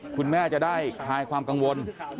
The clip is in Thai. คุณแม่จะได้คลายความกังวล